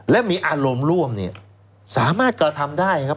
และมีอารมณ์ร่วมเนี่ยสามารถกระทำได้ครับ